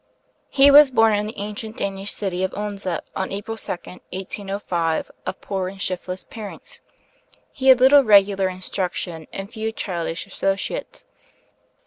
He was born in the ancient Danish city of Odense, on April 2d, 1805, of poor and shiftless parents. He had little regular instruction, and few childish associates.